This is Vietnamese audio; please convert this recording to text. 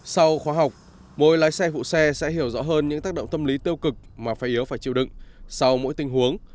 sau khóa học mỗi lái xe vụ xe sẽ hiểu rõ hơn những tác động tâm lý tiêu cực mà phai yếu phải chịu đựng sau mỗi tình huống